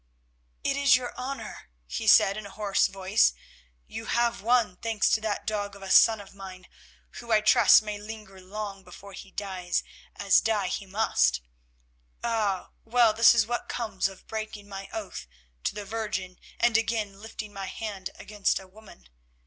"It is your hour," he said in a hoarse voice, "you have won, thanks to that dog of a son of mine, who, I trust, may linger long before he dies, as die he must. Ah! well, this is what comes of breaking my oath to the Virgin and again lifting my hand against a woman."